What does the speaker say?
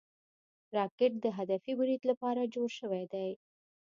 راکټ د هدفي برید لپاره جوړ شوی دی